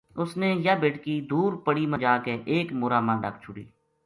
اس نے یاہ بیٹکی دور پڑی ما جا کے ایک مَورا ما ڈَک چھُڑی